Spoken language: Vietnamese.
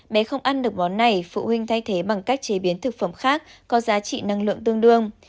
bé không ăn được món này phụ huynh thay thế bằng cách chế biến thực phẩm khác có giá trị năng lượng tương đương